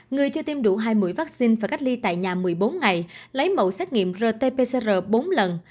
người chưa tiêm đủ hai mũi vaccine và cách ly tại nhà một mươi bốn ngày lấy mẫu xét nghiệm rt pcr bốn lần